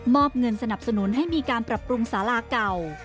อบเงินสนับสนุนให้มีการปรับปรุงสาราเก่า